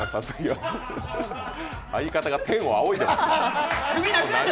相方が天を仰いでいます。